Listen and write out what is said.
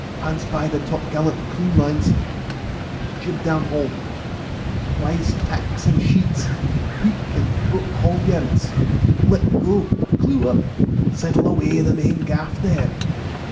Hands by the top gallant clew lines jib down haul rise tacks and sheets peak and throat haulyards let go clew up settle away the main gaff there!"